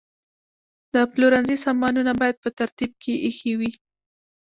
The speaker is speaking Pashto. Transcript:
د پلورنځي سامانونه باید په ترتیب کې ایښي وي.